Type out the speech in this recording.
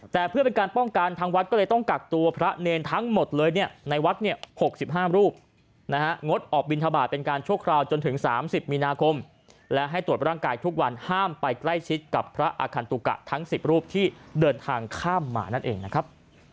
แต่เพื่อเป็นการป้องกันทางวัดก็เลยต้องกักตัวพระเนรทั้งหมดเลยเนี่ยในวัดเนี่ย๖๕รูปนะฮะงดออกบินทบาทเป็นการชั่วคราวจนถึง๓๐มีนาคมและให้ตรวจร่างกายทุกวันห้ามไปใกล้ชิดกับพระอาคันตุกะทั้ง๑๐รูปที่เดินทางข้ามมานั่นเองนะครับ